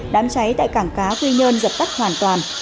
đám cháy tại cảng cá quy nhơn dập tắt hoàn toàn